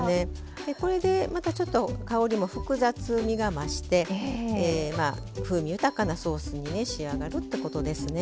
これで香りも複雑みが増して風味豊かなソースに仕上がるってことですね。